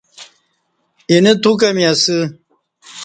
اینہ تو کہ می اسہ